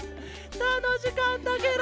たのしかったケロ。